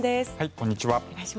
こんにちは。